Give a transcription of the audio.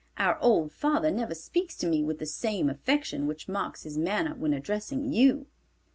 Our old father never speaks to me with the same affection which marks his manner when addressing you."